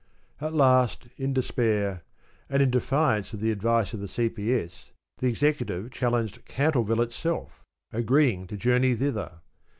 At last, in despair, and in defiance of the advice of the C.P.S., the executive challenged Cantleville itself— agreeing to journey thither.